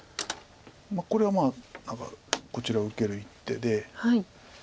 これはこちら受ける一手で。